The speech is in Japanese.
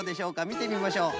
みてみましょう。